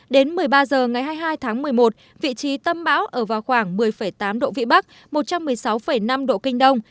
đến một mươi ba h ngày hai mươi hai tháng một mươi một vị trí tâm áp thấp nhiệt đới ở vào khoảng một mươi tám độ vĩ bắc một trăm một mươi sáu năm độ kinh đông